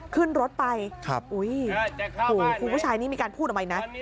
ขึ้นรถไปอุ๊ยโอ้โฮครูผู้ชายนี่มีการพูดออกมาอีกแล้วนะ